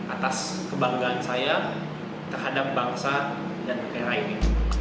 atas kebanggaan saya terhadap bangsa dan rakyat lainnya